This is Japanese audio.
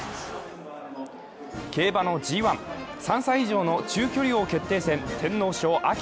競馬のＧⅠ、３歳以上の中距離王決定戦、天皇賞・秋。